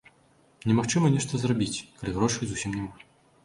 Немагчыма нешта зрабіць, калі грошай зусім няма.